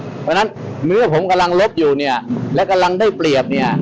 เพราะฉะนั้นเนื้อผมกำลังลบอยู่เนี่ยและกำลังได้เปรียบเนี่ย